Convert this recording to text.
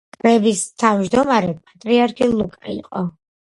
კრების თავმჯდომარე პატრიარქი ლუკა იყო.